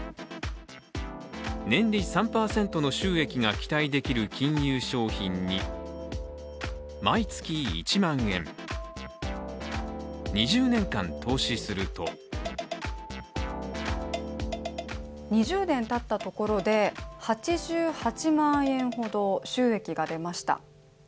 年利３％の収益が期待できる金融商品に毎月１万円、２０年間投資すると２０年たったところで８８万円ほど収益が出ました。